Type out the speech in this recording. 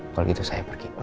kalau gitu saya pergi